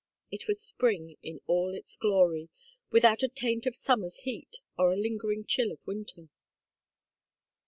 It was spring in all its glory, without a taint of summer's heat, or a lingering chill of winter.